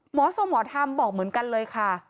หมอทรงหมอธรรมบอกเหมือนกันเลยค่ะ